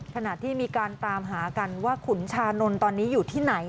ขณะที่มีการตามหากันว่าขุนชานนท์ตอนนี้อยู่ที่ไหน